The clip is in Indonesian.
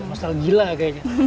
nostalgi lah kayaknya